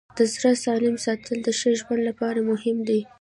د زړه سالم ساتل د ښه ژوند لپاره مهم دي.